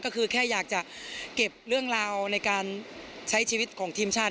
ก็คือแค่อยากจะเก็บเรื่องราวในการใช้ชีวิตของทีมชาติ